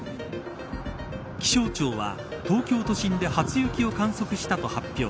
気象庁は、東京都心で初雪を観測したと発表。